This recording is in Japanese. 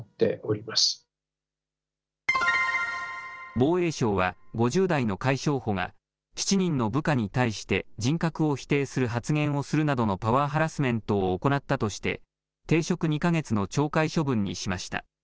防衛省は、５０代の海将補が、７人の部下に対して人格を否定する発言をするなどのパワーハラスメントを行ったとして、停職２か月の懲戒処分にしました。